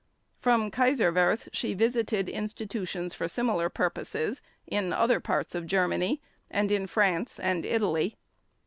From Kaiserswerth she visited institutions for similar purposes, in other parts of Germany, and in France and Italy.